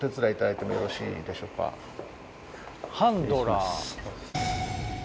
ハンドラー？